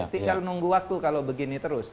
tinggal nunggu waktu kalau begini terus